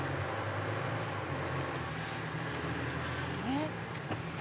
えっ？